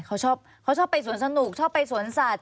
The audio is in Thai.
เขาชอบไปสวนสนุกชอบไปสวนสัตว์